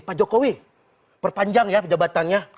pak jokowi perpanjang ya jabatannya